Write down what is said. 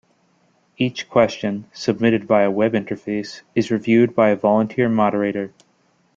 Each question, submitted via a Web interface, is reviewed by a volunteer moderator.